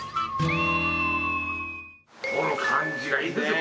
この感じがいいですよ。